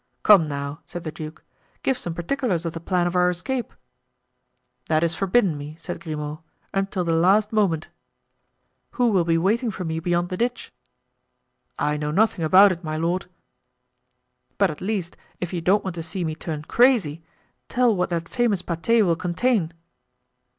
"Come, now," said the duke, "give some particulars of the plan for our escape." "That is forbidden me," said Grimaud, "until the last moment." "Who will be waiting for me beyond the ditch?" "I know nothing about it, my lord." "But at least, if you don't want to see me turn crazy, tell what that famous pate will contain."